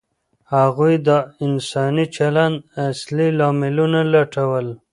هغوی د انساني چلند اصلي لاملونه لټول.